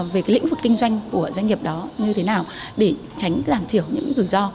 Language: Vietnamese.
về cái lĩnh vực kinh doanh của doanh nghiệp đó như thế nào để tránh giảm thiểu những rủi ro